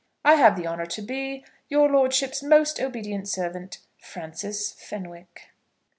I have the honour to be Your lordship's most obedient servant, FRANCIS FENWICK.